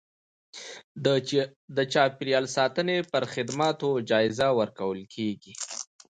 د چاپیریال ساتنې پر خدماتو جایزه ورکول کېږي.